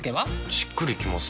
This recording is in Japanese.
しっくりきません。